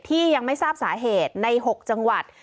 ที่ยังไม่ทราบสาเหตุใน๖จังหวัด